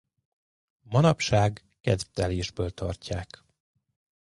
Manapság kedvtelésből tartják.